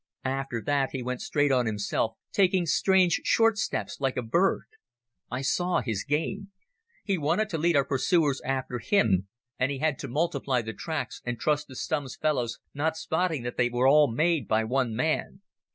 After that he went straight on himself, taking strange short steps like a bird. I saw his game. He wanted to lead our pursuers after him, and he had to multiply the tracks and trust to Stumm's fellows not spotting that they all were made by one man.